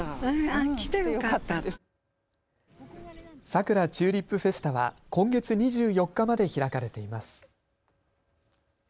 佐倉チューリップフェスタは今月２４日まで開かれています。